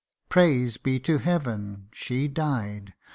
Praise be to Heaven, she died